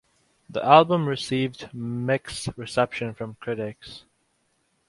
The album received mixed reception from critics.